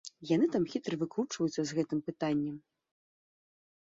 Яны там хітра выкручваюцца з гэтым пытаннем.